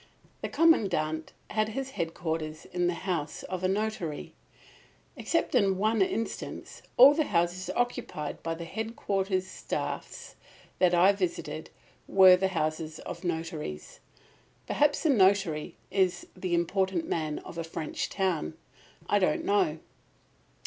The Commandant had his headquarters in the house of a notary. Except in one instance, all the houses occupied by the headquarters' staffs that I visited were the houses of notaries. Perhaps the notary is the important man of a French town. I do not know.